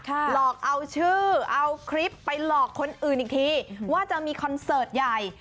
หลอกเอาชื่อเอาคลิปไปหลอกคนอื่นอีกทีว่าจะมีคอนเสิร์ตใหญ่